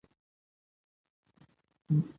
فرهنګ د ازادۍ او محدودیت تر منځ کرښه باسي.